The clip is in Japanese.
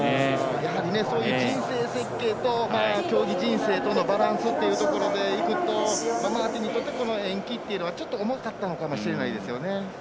やはり、人生設計と競技人生とのバランスというのでいくとマーティンにとってこの延期というのは重かったのかもしれないですね。